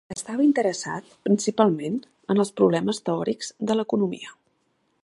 Estava interessat principalment en els problemes teòrics de l'economia.